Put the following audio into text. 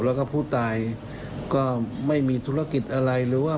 แล้วก็ผู้ตายก็ไม่มีธุรกิจอะไรหรือว่า